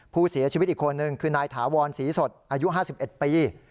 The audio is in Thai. ผู้เสียชีวิตอีกคนนึงคือนายถาวรศรีสดอายุ๕๑ปี